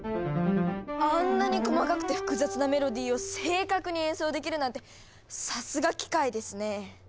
あんなに細かくて複雑なメロディーを正確に演奏できるなんてさすが機械ですね。